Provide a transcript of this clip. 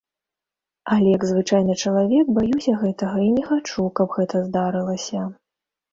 Але як звычайны чалавек баюся гэтага і не хачу, каб гэта здарылася.